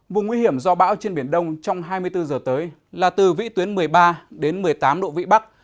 vùng nguy hiểm do bão trên biển đông trong hai mươi bốn h tới là từ vĩ tuyến một mươi ba đến một mươi tám độ vị bắc